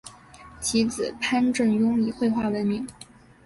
其子潘振镛以绘画闻名。